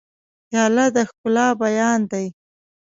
پیاله د ښکلا بیان دی.